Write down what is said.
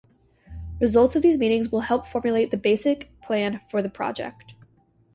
Results of these meetings will help formulate the basic plan for the project.